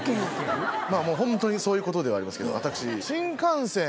ホントにそういうことではありますけど私。